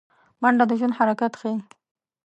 منډه د ژوند حرکت ښيي